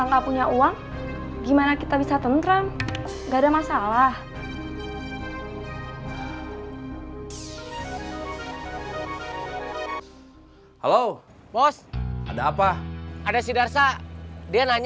kalau akan keluar dari terminal